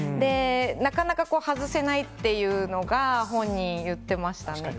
なかなか外せないっていうのが、本人言ってましたね。